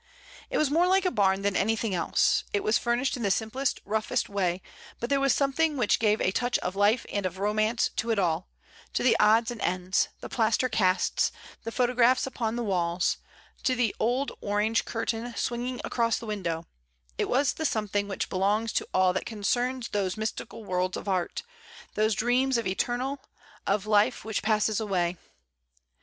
It was more like a bam than an)rthing else. It was furnished in the simplest, roughest way; but there was something which gave a touch of life and of romance to it all, to the odds and ends, the plaster casts, the photographs upon the walls; to the old orange curtain swinging across the window; it was the something which belongs to all that concerns those mystical worlds of art, those dreams eternal, of life which passes away.